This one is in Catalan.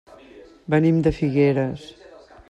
Venim de Figueres.